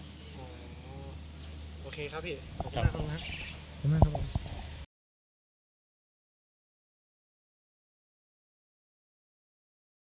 โอเคครับพี่